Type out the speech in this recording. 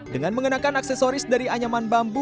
dengan mengenakan aksesoris dari anyaman bambu